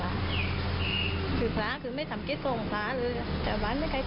หรอกซิม